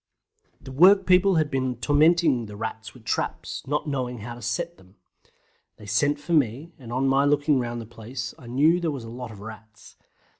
The workpeople had been tormenting the Rats with traps, not knowing how to set them. They sent for me, and on my looking round the place I knew there was a lot of Rats.